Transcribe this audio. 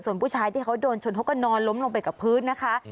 ส่วนผู้ชายที่เขาโดนชนเขาก็นอนล้มลงไปกับพื้นนะคะ